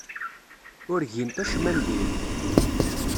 Ur gint acemma n diri.